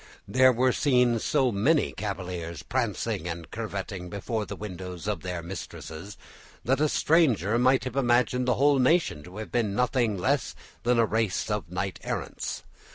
There were seen so many cavaliers prancing and curvetting before the windows of their mistresses, that a stranger would have imagined the whole nation to have been nothing less than a race of knight errants.